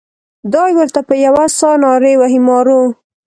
دای ورته په یوه ساه نارې وهي مارو.